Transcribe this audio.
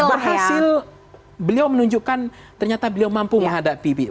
kalau berhasil beliau menunjukkan ternyata beliau mampu menghadapi